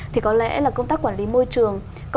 thì có lẽ là công tác quản lý môi trường